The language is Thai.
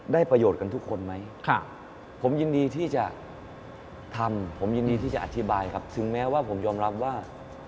ประโยชน์กันทุกคนไหมผมยินดีที่จะทำผมยินดีที่จะอธิบายครับถึงแม้ว่าผมยอมรับว่า